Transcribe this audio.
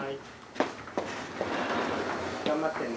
頑張ってね。